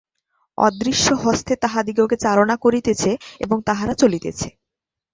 অদৃশ্য হস্তে তাহাদিগকে চালনা করিতেছে এবং তাহারা চলিতেছে।